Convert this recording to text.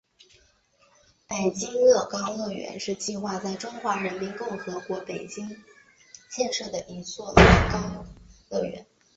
北京乐高乐园是计划在中华人民共和国北京建设的一座乐高乐园。